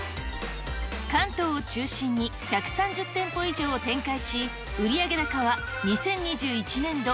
関東を中心に１３０店舗以上を展開し、売上高は２０２１年度